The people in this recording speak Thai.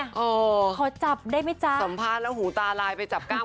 เจอจับได้มั้ยจ๊ะเสริมหวัดแล้วหูตาลายไปจับก้าม